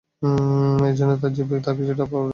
এ জন্য তাঁর জিহ্বায় তার কিছুটা প্রভাব রয়েই যায়।